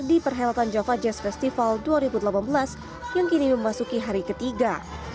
di perhelatan java jazz festival dua ribu delapan belas yang kini memasuki hari ketiga